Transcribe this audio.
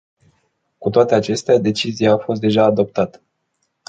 Cu toate acestea, decizia a fost deja adoptată.